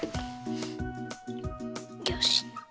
よし。